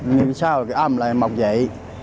nghe cái sao cái âm là em mọc dậy